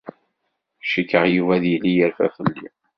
Cikkeɣ Yuba ad yili yerfa fell-i.